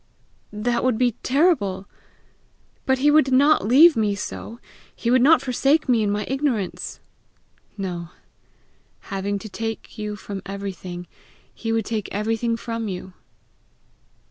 "That would be terrible! But he would not leave me so. He would not forsake me in my ignorance!" "No. Having to take you from everything, he would take everything from you!"